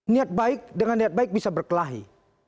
niat baik dengan niat baik bisa berkelahi